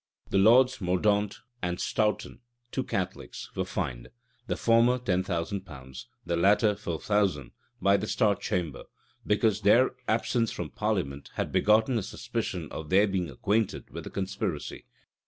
[*] The lords Mordaunt and Stourton, two Catholics, were fined, the former ten thousand pounds, the latter four thousand, by the star chamber; because their absence from parliament had begotten a suspicion of their being acquainted with the conspiracy.